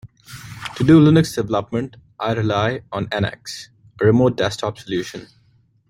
To do Linux development, I rely on NX, a remote desktop solution.